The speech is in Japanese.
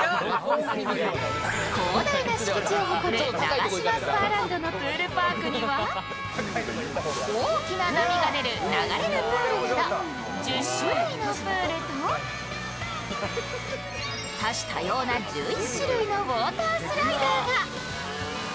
広大な敷地を誇るナガシマスパーランドのプールパークには、大きな波が出る流れるプールなど１０種類のプールと多種多様な１１種類のウォータースライダーが。